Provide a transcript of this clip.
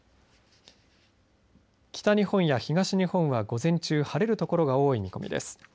北日本や東日本は午前中晴れる所が多い見込みです。